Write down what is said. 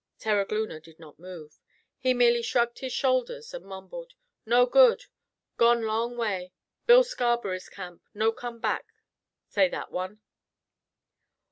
Terogloona did not move. He merely shrugged his shoulders and mumbled: "No good. Gone long way. Bill Scarberry's camp. No come back, say that one."